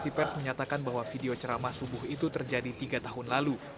di konferensi pers menyatakan bahwa video ceramah subuh itu terjadi tiga tahun lalu